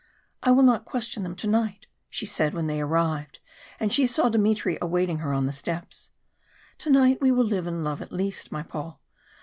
"I will not question them to night," she said when they arrived, and she saw Dmitry awaiting her on the steps. "To night we will live and love at least, my Paul.